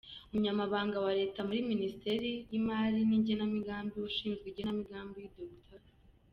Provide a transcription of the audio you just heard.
Umunyamabanga wa Leta muri Minisiteri y’Imari n’Igenamigambi ushinzwe Igenamigambi, Dr.